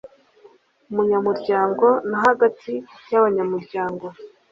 abanyamuryango na hagati y’abanyamuryango